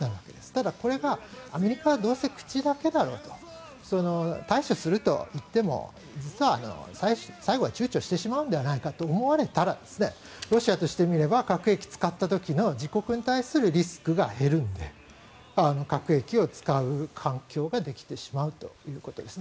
ただこれがアメリカはどうせ口だけだろうと対処するといっても最後は躊躇するんじゃないかと思われたら、ロシアとしてみれば核兵器を使った時の自国に対するリスクが減るので核兵器を使う環境ができてしまうということです。